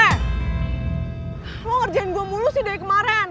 oh ngerjain gue mulu sih dari kemarin